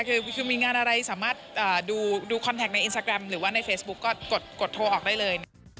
คือมีงานอะไรสามารถดูคอนแท็กในอินสตาแกรมหรือว่าในเฟซบุ๊กก็กดโทรออกได้เลย